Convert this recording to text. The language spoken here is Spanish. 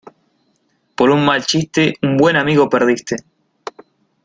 Por un mal chiste un buen amigo perdiste.